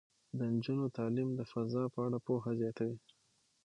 د نجونو تعلیم د فضا په اړه پوهه زیاتوي.